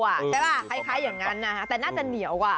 ใช่ป่ะคล้ายอย่างนั้นนะคะแต่น่าจะเหนียวกว่า